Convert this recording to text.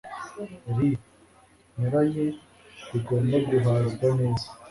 Ri nyuranye rigomba guhazwa neza